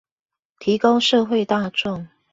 提高社會大眾